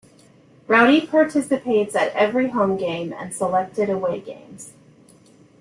Rowdy participates at every home game and selected away games.